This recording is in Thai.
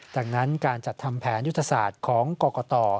ดังนั้นการจัดทำแผนยุทธศาสตร์ของกรกต